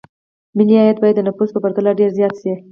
ملي عاید باید د نفوسو په پرتله ډېر زیات شي.